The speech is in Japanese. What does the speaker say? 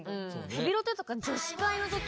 『ヘビロテ』とか。